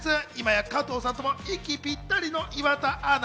今や加藤さんとも息ぴったりの岩田アナ。